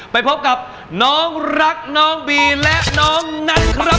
ไปพบกับน้องรักน้องบีและน้องนัทครับ